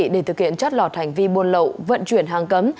để thực hiện chất lọt hành vi buôn lậu vận chuyển hàng cấm